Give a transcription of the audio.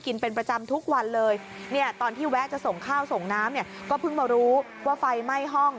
ก็เพิ่งมารู้ว่าไฟไหม้ห้อง